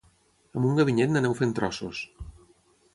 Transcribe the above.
Amb un ganivet n'aneu fent trossos